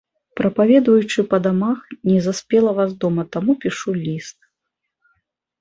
Прапаведуючы па дамах, не заспела вас дома, таму пішу ліст.